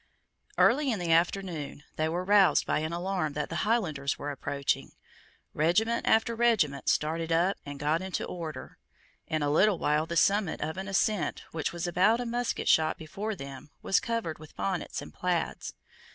Early in the afternoon, they were roused by an alarm that the Highlanders were approaching. Regiment after regiment started up and got into order. In a little while the summit of an ascent which was about a musket shot before them was covered with bonnets and plaids.